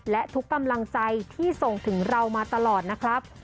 และทุกกำลังใจที่ส่งถึงเรามาตลอดนะครับ